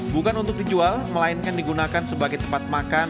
bukan untuk dijual melainkan digunakan sebagai tempat makan